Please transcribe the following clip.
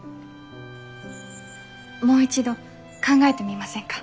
もう一度考えてみませんか？